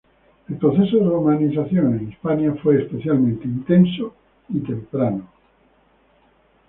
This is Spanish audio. El proceso de romanización en Hispania fue especialmente intenso y temprano.